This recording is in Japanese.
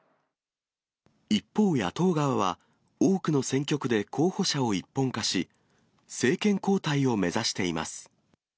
一方、野党側は、多くの選挙区で候補者を一本化し、政権交代を目指しています。